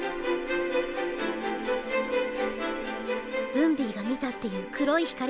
ブンビーが見たっていう黒い光。